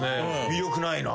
魅力ないな。